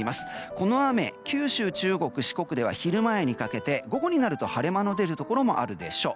この雨は九州、中国・四国では昼前にかけて午後になると晴れ間の出るところもあるでしょう。